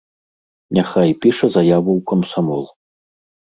Няхай піша заяву ў камсамол.